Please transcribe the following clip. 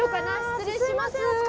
失礼します。